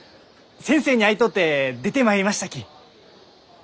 先生に会いとうて出てまいりましたき！